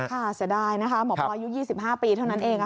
ค่ะแสดงค่ะหมอปอด้วยยุค๒๕ปีเท่านั้นเอง